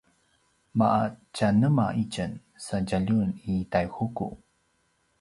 ma’a tja nema itjen sa djaljun i Taihuku?